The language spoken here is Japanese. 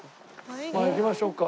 まあ行きましょうか。